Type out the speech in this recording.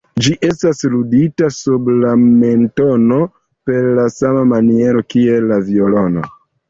Ĝi estas ludita sub la mentono per la sama maniero kiel la violono.